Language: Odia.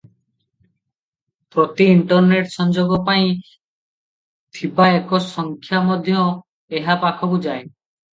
ପ୍ରତି ଇଣ୍ଟରନେଟ ସଂଯୋଗ ପାଇଁ ଥିବା ଏକ ସଂଖ୍ୟା ମଧ୍ୟ ଏହା ପାଖକୁ ଯାଏ ।